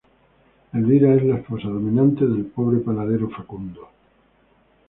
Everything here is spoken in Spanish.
Elvira es la esposa dominante del pobre panadero Facundo.